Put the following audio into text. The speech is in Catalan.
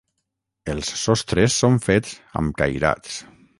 Els sostres són fets amb cairats.